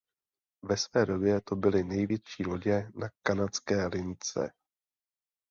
Ve své době to byly největší lodě na kanadské lince.